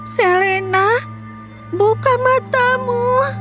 selena buka matamu